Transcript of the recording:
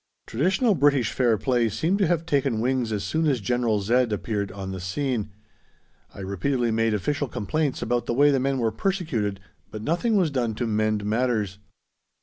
Traditional British fair play seemed to have taken wings as soon as General Z. appeared on the scene. I repeatedly made official complaints about the way the men were persecuted, but nothing was done to mend matters.